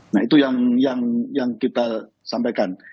nah itu yang kita sampaikan